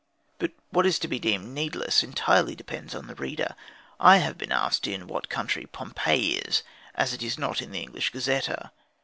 But what is to be deemed needless entirely depends on the reader: I have been asked in what country Pompei is, as it is not in the English Gazetteer.